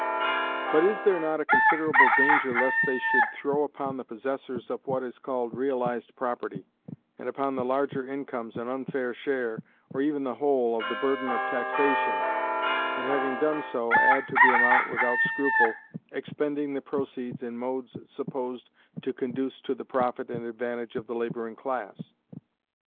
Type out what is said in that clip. But is there not a considerable danger lest they should throw upon the possessors of what is called realized property, and upon the larger incomes, an unfair share, or even the whole, of the burden of taxation, and having done so, add to the amount without scruple, expending the proceeds in modes supposed to conduce to the profit and advantage of the laboring class?